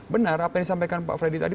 benar apa yang disampaikan pak freddy tadi